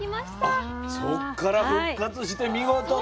あっそっから復活して見事の。